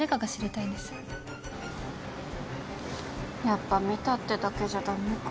やっぱ見たってだけじゃ駄目か。